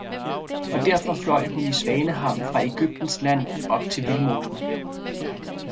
Og derfor fløi hun i Svaneham fra Ægyptens Land op til Vildmosen.